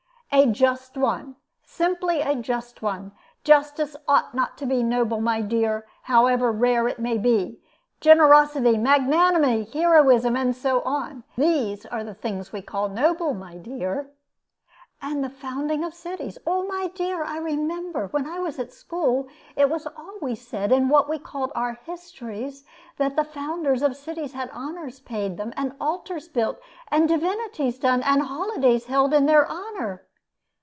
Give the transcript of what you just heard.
"A just one simply a just one. Justice ought not to be noble, my dear, however rare it may be. Generosity, magnanimity, heroism, and so on those are the things we call noble, my dear." "And the founding of cities. Oh, my dear, I remember, when I was at school, it was always said, in what we called our histories, that the founders of cities had honors paid them, and altars built, and divinities done, and holidays held in their honor."